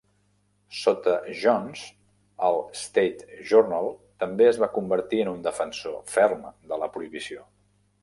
Sota Jones, el "State Journal" també es va convertir en un defensor ferm de la prohibició.